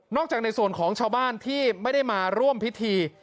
จากในส่วนของชาวบ้านที่ไม่ได้มาร่วมพิธี